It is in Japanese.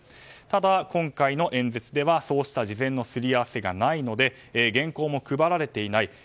ただ、今回の演説ではそうした事前のすり合わせがないので原稿も配られていない。